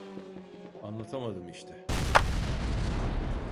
Anlatamadım işte…